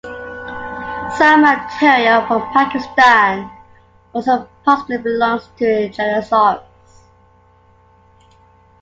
Some material from Pakistan also possibly belongs to "Jainosaurus".